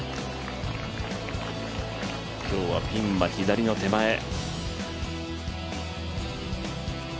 今日はピンは左の手前。